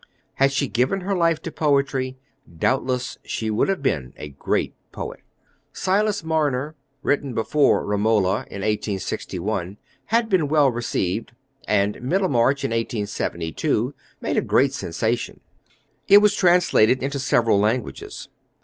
Had she given her life to poetry, doubtless she would have been a great poet. Silas Marner, written before Romola, in 1861, had been well received, and Middlemarch, in 1872, made a great sensation. It was translated into several languages.